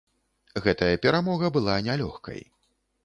Гэтая перамога была нялёгкай.